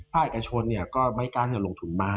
พระอาจารย์ชนเนี่ยก็ไม่การจะลงทุนมา